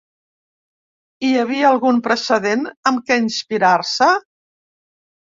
Hi havia algun precedent amb què inspirar-se?